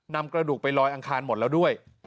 นำกระดูกไปลอยอังคารหมดแล้วด้วย